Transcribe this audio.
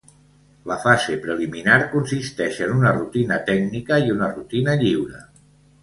La fase preliminar consisteix en una rutina tècnica i una rutina lliure.